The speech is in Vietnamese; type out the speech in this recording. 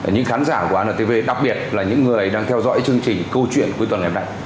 những khán giả của antv đặc biệt là những người đang theo dõi chương trình câu chuyện cuối tuần ngày hôm nay